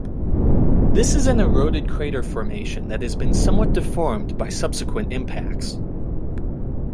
This is an eroded crater formation that has been somewhat deformed by subsequent impacts.